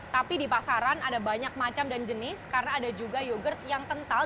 tapi di pasaran ada banyak macam dan jenis karena ada juga yogurt yang kental